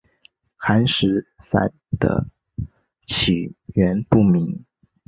寒食散的起源不明。